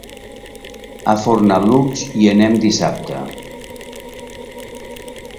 A Fornalutx hi anem dissabte.